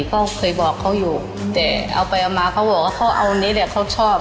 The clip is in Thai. ก็เคยบอกเขาอยู่แต่เอาไปเอามาเขาบอกว่าเขาเอาอันนี้แหละเขาชอบ